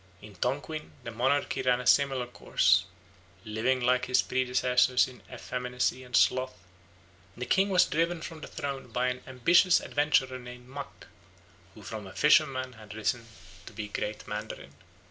In Tonquin the monarchy ran a similar course. Living like his predecessors in effeminacy and sloth, the king was driven from the throne by an ambitious adventurer named Mack, who from a fisherman had risen to be Grand Mandarin.